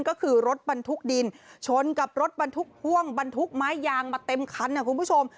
ก็คือรถบรรทุกดินชนกับรถบรรทุกพ่วงบรรทุกไม้ยางมาเต็มคันนะคุณผู้ชม